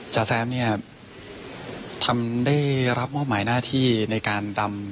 จ๋แซมเนี่ยได้รับมอบหมายหน้าที่ในการดำ